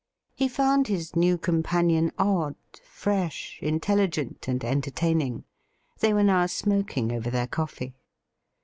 He found his new com panion odd, fresh, intelligent, and entertaining. They were now smoking, over their coffee.